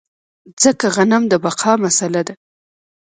ځکه غنم د بقا مسئله ده.